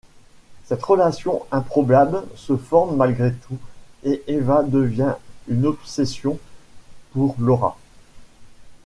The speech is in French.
Cette relation improbable se forme malgré tout, et Eva devient une obsession pour Laura.